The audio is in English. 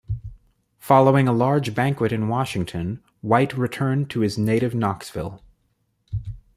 Following a large banquet in Washington, White returned to his native Knoxville.